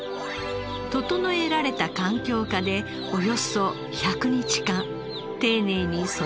整えられた環境下でおよそ１００日間丁寧に育てられた長州